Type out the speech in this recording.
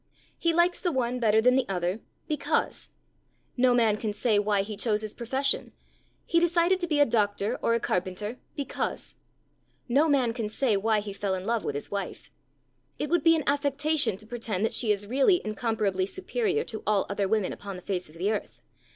He likes the one better than the other because. No man can say why he chose his profession. He decided to be a doctor or a carpenter because. No man can say why he fell in love with his wife. It would be an affectation to pretend that she is really incomparably superior to all other women upon the face of the earth.